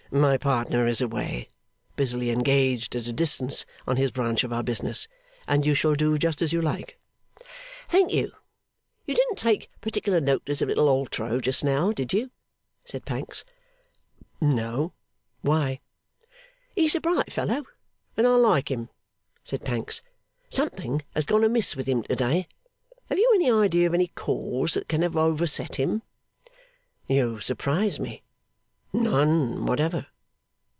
'My partner is away, busily engaged at a distance on his branch of our business, and you shall do just as you like.' 'Thank you. You didn't take particular notice of little Altro just now; did you?' said Pancks. 'No. Why?' 'He's a bright fellow, and I like him,' said Pancks. 'Something has gone amiss with him to day. Have you any idea of any cause that can have overset him?' 'You surprise me! None whatever.